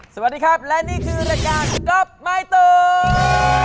สวัสดีครับและนี่คือรายการก๊อบไม้ตู